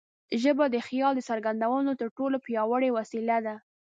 ژبه د خیال د څرګندولو تر ټولو پیاوړې وسیله ده.